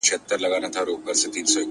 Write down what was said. كله توري سي ـ